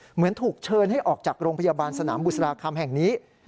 เหมือนถูกเชิญให้ออกจากโรงพยาบาลสนามบุษราคำแห่งนี้